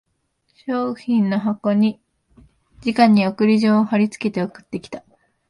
商品の箱にじかに送り状を張りつけて送ってきた